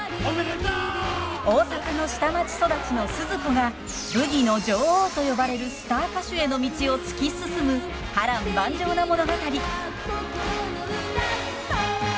大阪の下町育ちのスズ子がブギの女王と呼ばれるスター歌手への道を突き進む波乱万丈な物語。へいっ！